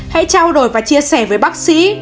hãy trao đổi và chia sẻ với bác sĩ